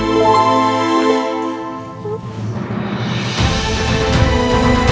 saya parah minta yesya